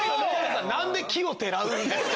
何で奇をてらうんですか？